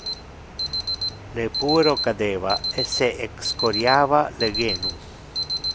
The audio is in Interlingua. Le puero cadeva e se excoriava le genu.